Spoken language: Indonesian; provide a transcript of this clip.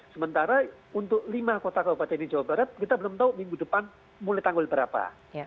sementara untuk lima kota kabupaten di jawa barat kita belum tahu minggu depan mulai tanggal berapa